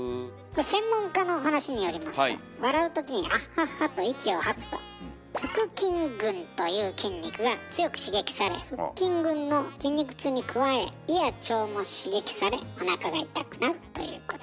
専門家の話によりますと笑うときにアッハッハッと息を吐くと腹筋群という筋肉が強く刺激され腹筋群の筋肉痛に加え胃や腸も刺激されおなかが痛くなるということです。